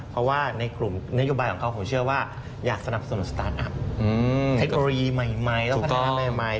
เพราะว่าในกลุ่มเนื้อยุบายของเขาผมเชื่อว่าอยากสนับสนุนสตาร์ทอัพ